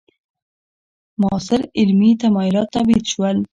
معاصر علمي تمایلات تبعید شول.